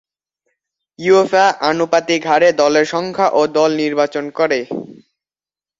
UEFA আনুপাতিক হারে দলের সংখ্যা ও দল নির্বাচন করে।